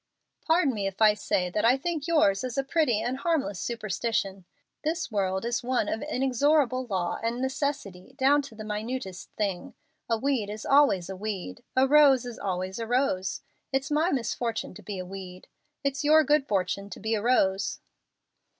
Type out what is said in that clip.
"Pardon me if I say that I think yours is a pretty and harmless superstition. This world is one of inexorable law and necessity down to the minutest thing. A weed is always a weed. A rose is always a rose. It's my misfortune to be a weed. It's your good fortune to be a rose."